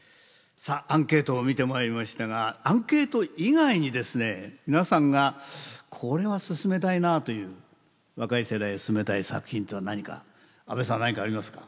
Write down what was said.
さあアンケートを見てまいりましたがアンケート以外にですね皆さんがこれはすすめたいなという若い世代へすすめたい作品とは何か安部さん何かありますか？